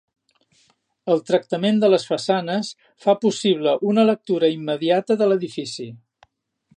El tractament de les façanes fa possible una lectura immediata de l'edifici.